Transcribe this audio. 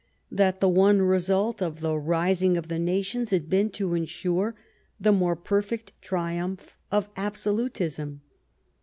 3 that the one result of the " rishig of the nations " had been to ensure the more perfect triumph of absolutism.